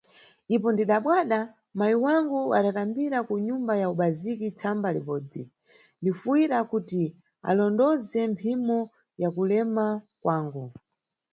Ipo ndidabadwa, mayi wangu adatambira ku nyumba ya ubaziki tsamba libodzi, lifuyira kuti alondoze mphimo ya kulema kwangu.